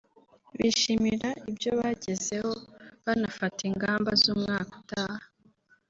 bishimira ibyo bagezeho banafata ingamba z’umwaka utaha